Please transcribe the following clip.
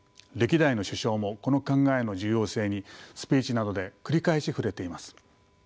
歴代の首相もこの考えの重要性にスピーチなどで繰り返し触れています。